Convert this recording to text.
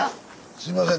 すいません